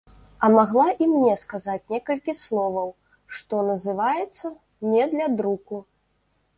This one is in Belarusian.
А магла і мне сказаць некалькі словаў, што называецца, не для друку.